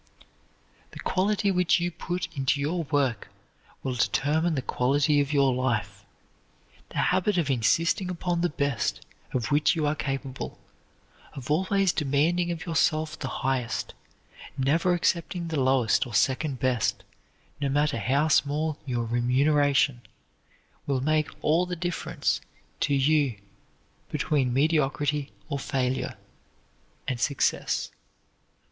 The quality which you put into your work will determine the quality of your life. The habit of insisting upon the best of which you are capable, of always demanding of yourself the highest, never accepting the lowest or second best, no matter how small your remuneration, will make all the difference to you between mediocrity or failure, and success.